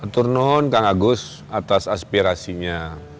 turnuhkan agus atas aspirasinya